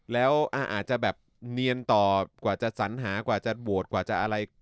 แล้วอาจจะแบบเนียนต่อกว่าจะสัญหากว่าจะโหวตกว่าจะอะไร